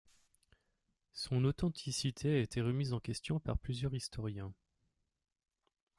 Son authenticité a été remise en question par plusieurs historiens.